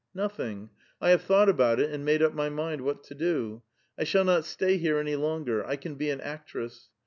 ''Nothing. I have thought about it and made up my mind what to do ; I shall not stay here any longer ; I can be an actress.